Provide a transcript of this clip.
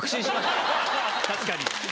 確かに。